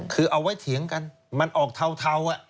คือเอาไว้เถียงกันมันออกเทา